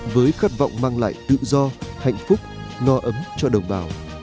với khát vọng mang lại tự do hạnh phúc no ấm cho đồng bào